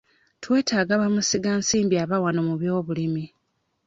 Twetaaga bamusigansimbi aba wano mu byobulimi.